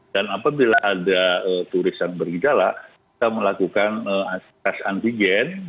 dan apabila ada turis yang bergejala kita melakukan antigen